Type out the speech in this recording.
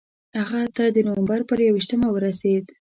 هغه ته د نومبر پر یوویشتمه ورسېد.